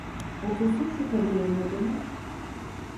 Otursun şu karı yerine canım!